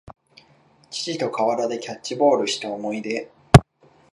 父と河原でキャッチボールした思い出